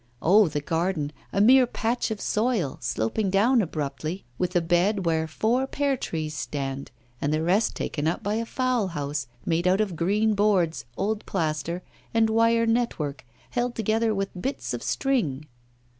Oh! the garden a mere patch of soil, sloping down abruptly, with a bed where four pear trees stand, and the rest taken up by a fowl house, made out of green boards, old plaster, and wire network, held together with bits of string.